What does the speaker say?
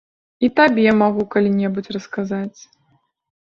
І табе магу калі-небудзь расказаць.